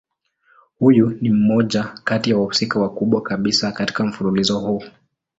Huyu ni mmoja kati ya wahusika wakubwa kabisa katika mfululizo huu.